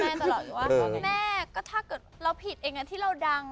แม่ก็ถ้าเกิดเราผิดเองอ่ะที่เราดังอ่ะ